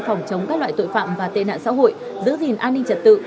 phòng chống các loại tội phạm và tệ nạn xã hội giữ gìn an ninh trật tự